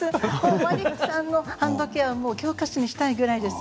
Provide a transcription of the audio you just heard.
マリックさんのハンドケア教科書にしたいぐらいです。